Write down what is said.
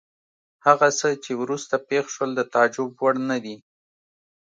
هغه څه چې وروسته پېښ شول د تعجب وړ نه دي.